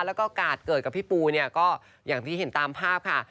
แล้วก็กาดเกิดกับพี่ปูเนี่ยก็อย่างที่เห็นตามภาพค่ะ